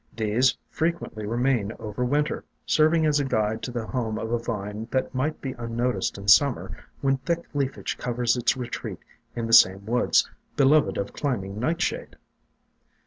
These frequently re 312 THE DRAPERY OF VINES main over Winter, serving as a guide to the home of a vine that might be unnoticed in Summer when thick leafage covers its retreat in the same woods beloved of Climbing Nightshade.